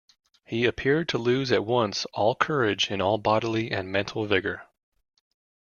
He appeared to lose at once all courage and all bodily and mental vigour.